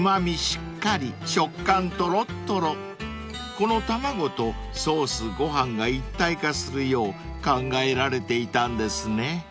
［この卵とソースご飯が一体化するよう考えられていたんですね］